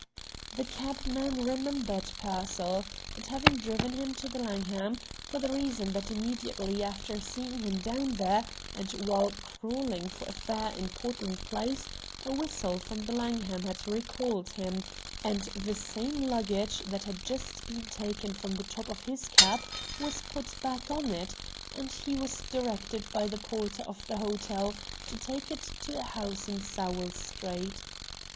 The cabman remembered Pearsall, and having driven him to the Langham, for the reason that immediately after setting him down there, and while "crawling" for a fare in Portland Place, a whistle from the Langham had recalled him, and the same luggage that had just been taken from the top of his cab was Put back on it, and he was directed by the porter of the hotel to take it to a house in Sowell Street.